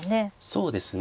そうですね。